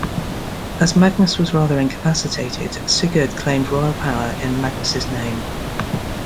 As Magnus was rather incapacitated, Sigurd claimed royal power in Magnus' name.